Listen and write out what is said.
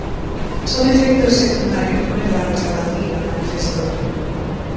"Son efectos secundarios moi raros da vacina", manifestou.